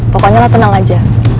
pokoknya lo tenang aja